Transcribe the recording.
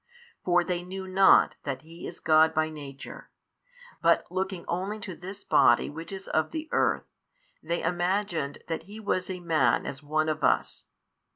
For they knew not that He is God by Nature, but looking only to this body which is of the earth, they imagined that He was a man as one of us.